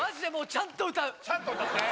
ちゃんと歌ってね